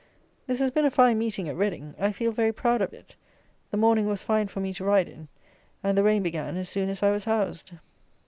This has been a fine meeting at Reading! I feel very proud of it. The morning was fine for me to ride in, and the rain began as soon as I was housed.